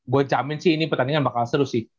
gue camin sih ini pertandingan bakal seru sih